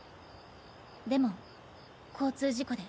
でも交通事故で。